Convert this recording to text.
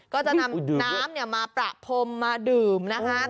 ก็จะนำน้ำมาประพรมมาดื่มนะคะ